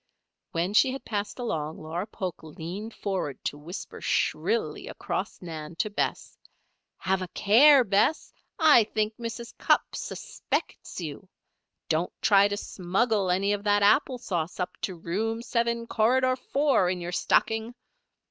When she had passed along Laura Polk leaned forward to whisper shrilly across Nan to Bess: "Have a care, Bess! I think Mrs. Cupp suspects you. Don't try to smuggle any of that apple sauce up to Room Seven, Corridor Four, in your stocking!"